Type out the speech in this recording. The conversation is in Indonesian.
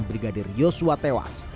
brigadir yosua tewas